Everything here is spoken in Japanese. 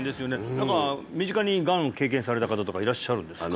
何か身近にがんを経験された方とかいらっしゃるんですかね？